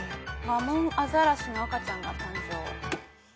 ワモンアザラシの赤ちゃんが誕生。